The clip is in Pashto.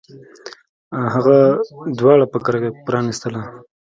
هغه دروازه په کرکه پرانیستله